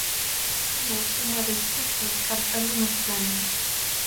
თიმ ოჭუმარეს თიქ დოწკარწკანტუ მუშ პლანეტა.